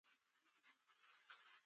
زه به د وړانګو په بګۍ کې